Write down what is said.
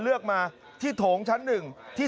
สมัยไม่เรียกหวังผม